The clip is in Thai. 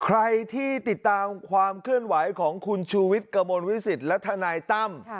ใครที่ติดตามความเคลื่อนไหวของคุณชูวิทย์กระมวลวิสิตและทนายตั้ม